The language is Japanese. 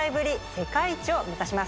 世界一を目指します。